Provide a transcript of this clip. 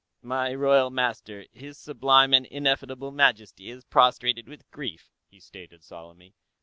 "My royal master, His Sublime and Ineffable Majesty, is prostrated with grief," he stated solemnly.